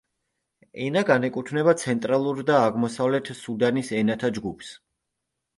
ენა განეკუთვნება ცენტრალურ და აღმოსავლეთ სუდანის ენათა ჯგუფს.